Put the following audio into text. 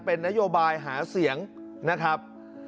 เป็นนโยบายหาเสียงนะครับ